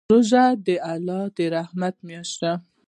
روژه د الله د رحمت میاشت ده.